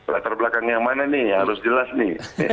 latar belakangnya mana nih harus jelas nih